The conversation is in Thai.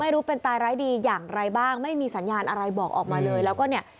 รู้เป็นตายร้ายดีอย่างไรบ้างไม่มีสัญญาณอะไรบอกออกมาเลยแล้วก็เนี่ย